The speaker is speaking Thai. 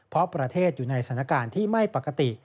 เพราะประเทศอยู่ในสถานการณ์ที่ไม่ปกติ